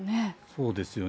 そうですよね。